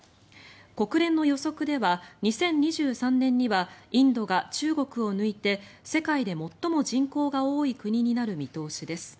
国連の予測では２０２３年にはインドが中国を抜いて世界で最も人口が多い国になる見通しです。